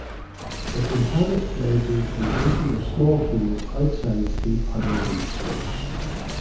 It inhabits ledges and bases of small caves outside steep outer reef slopes.